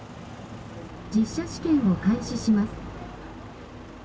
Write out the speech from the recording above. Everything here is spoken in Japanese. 「実車試験を開始します」。